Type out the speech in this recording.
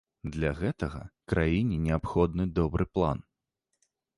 Для гэтага краіне неабходны добры план.